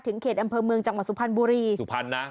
เขตอำเภอเมืองจังหวัดสุพรรณบุรีสุพรรณนะ